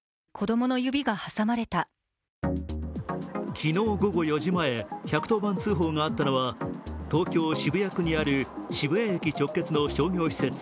昨日午後４時前、１１０番通報があつたのは東京・渋谷区にある、渋谷駅直結の商業施設